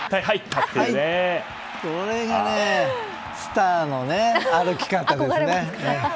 これがスターの歩き方ですね。